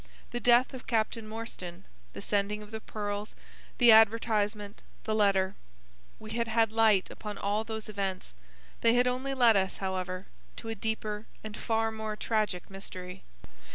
The death of Captain Morstan, the sending of the pearls, the advertisement, the letter,—we had had light upon all those events. They had only led us, however, to a deeper and far more tragic mystery.